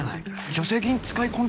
助成金使い込ん